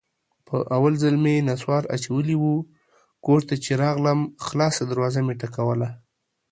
په اول ځل مې نصوار اچولي وو، کور ته چې راغلم خلاصه دروازه مې ټکوله.